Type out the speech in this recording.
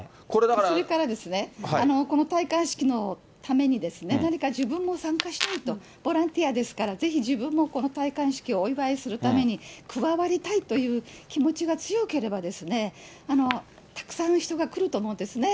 それから、この戴冠式のために、何か自分も参加したいと、ボランティアですから、ぜひ自分もこの戴冠式をお祝いするために、加わりたいという気持ちが強ければですね、たくさんの人が来ると思うんですね。